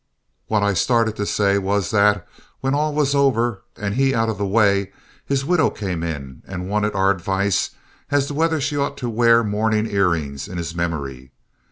What I started to say was that, when all was over and he out of the way, his widow came in and wanted our advice as to whether she ought to wear mourning earrings in his memory.